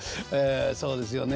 そうですよね